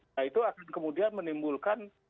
nah itu akan kemudian menimbulkan